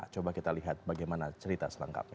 coba kita lihat bagaimana cerita selengkapnya